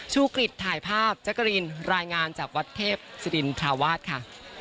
ชู่กฤทธิ์ถ่ายภาพจักรีนรายงานจากวัดเทพศริรินทราวาสค่ะ